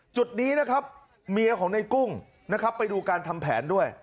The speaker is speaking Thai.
จุดนี้นะครับเมียของในกุ้งนะครับไปดูการทำแผนด้วย